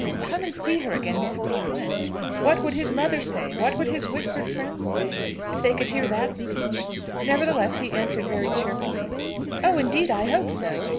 Come and see her again before he went! What would his mother say, what would his Whitford friends say, if they could hear that speech? Nevertheless, he answered very cheerfully: "Oh, indeed, I hope so!"